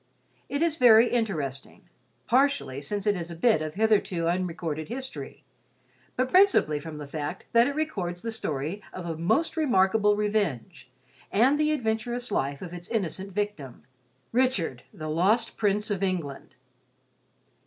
It is very interesting—partially since it is a bit of hitherto unrecorded history, but principally from the fact that it records the story of a most remarkable revenge and the adventurous life of its innocent victim—Richard, the lost prince of England.